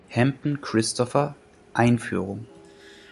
Hampton, Christopher: Einführung.